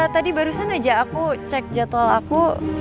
tadi barusan aja aku cek jadwal aku